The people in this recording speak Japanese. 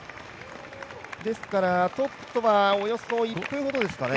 ですからトップとはおよそ５４秒差ですかね。